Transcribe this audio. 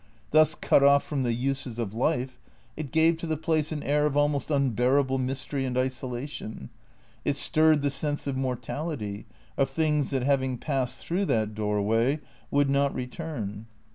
Thus cut off from the uses of life, it gave to the place an air of almost unbearable mystery and isolation; it stirred the sense of mortality, of things that having passed through that doorway would not return.